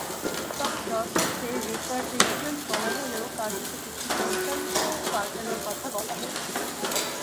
তবে দরপত্রে রিফারবিশমেন্ট বলা হলেও কার্যত কিছু যন্ত্রাংশ পাল্টানোর কথা বলা হয়েছে।